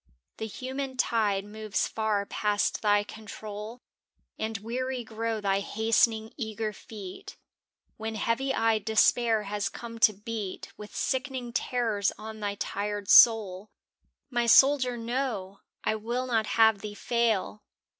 The human tide moves far past thy control And weary grow thy hastening, eager feet, When heavy eyed despair has come to beat With sickening terrors on thy tired soul. My soldier, no! I will not have thee fail!